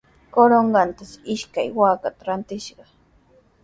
Corongotrawshi ishkay waakata rantishqa.